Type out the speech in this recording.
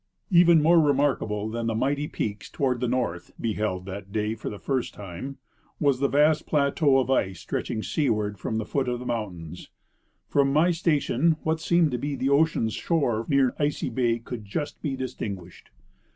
Even more remarkable than the mighty peaks toward the north, beheld that day for the first time, was the vast plateau of ice stretching seaward from the foot of the mountains. From my station what seemed to be the ocean's shore near Icy bay could just be distinguished.